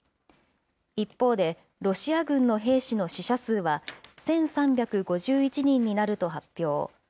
一方で、ロシア軍の兵士の死者数は１３５１人になると発表。